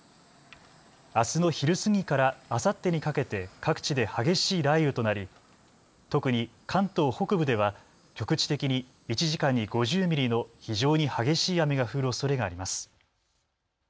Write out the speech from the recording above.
あすの昼過ぎからあさってにかけて各地で激しい雷雨となり特に関東北部では局地的に１時間に５０ミリの非常に激しい雨が降るおそれがあります。